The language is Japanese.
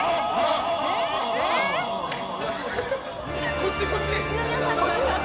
こっちこっち！